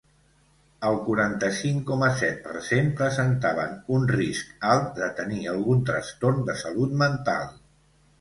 El quaranta-cinc coma set per cent presentaven un risc alt de tenir algun trastorn de salut mental.